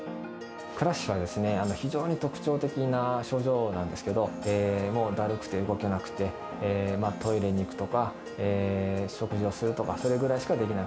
クラッシュは、非常に特徴的な症状なんですけど、もうだるくて動けなくて、トイレに行くとか、食事をするとか、それぐらいしかできない。